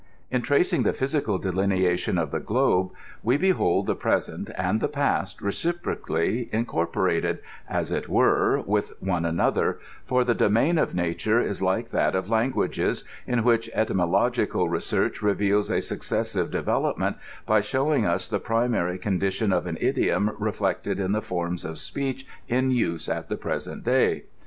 In tracing the physical delineation of the globe, we behold the present and the past reciprocally incorporated, as it were, with one another ; for the domain of nature is like that of languages, in wjuch etymological research reveals a successive development, by showing us the primary condition of an idiom reflected in the forms of speech in use at the present day.